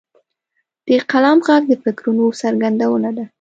د قلم ږغ د فکرونو څرګندونه ده.